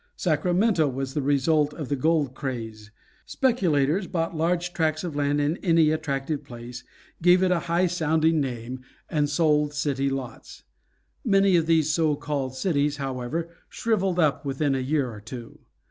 Sacramento was the result of the gold craze. Speculators bought large tracts of land in any attractive place, gave it a high sounding name, and sold city lots. Many of these so called cities, however, shriveled up within a year or two.